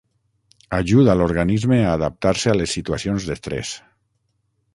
Ajuda l'organisme a adaptar-se a les situacions d'estrès.